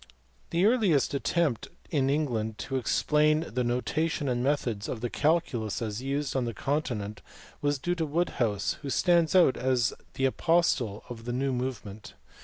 The earliest attempt in England to explain the notation and methods of the calculus as used on the continent was due to Wood house, who stands out as the apostle of the new move ment.